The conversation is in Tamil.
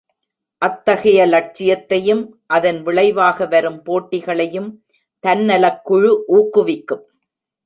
அத்தகைய லட்சியத்தையும் அதன் விளைவாக வரும் போட்டிகளையும் தன்னலக்குழு ஊக்குவிக்கும்.